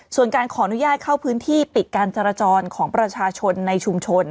ส่วนการขออนุญาตเข้าพื้นที่ปิดการจราจรของประชาชนในชุมชน